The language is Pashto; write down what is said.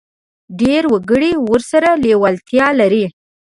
ډېر وګړي ورسره لېوالتیا لري.